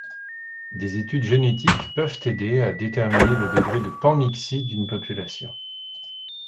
Des études génétiques peuvent aider à déterminer le degré de panmixie d'une population.